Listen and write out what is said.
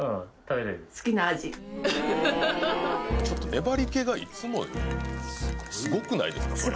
ちょっと粘り気がいつもよりすごくないですか？